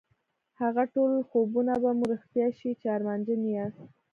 هغه ټول خوبونه به مو رښتيا شي چې ارمانجن يې ياست.